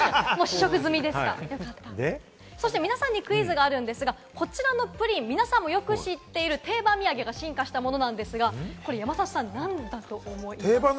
皆さんにクイズがあるんですが、こちらのプリン、皆さんもよく知っている定番土産が進化したものなんですが、山里さん、なんだと思いますか？